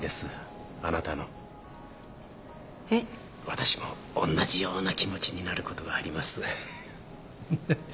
私もおんなじような気持ちになることがあります。